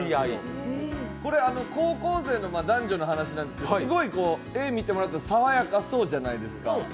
高校生の男女の話なんですけど絵を見てもらったらさわやかそうじゃないですか。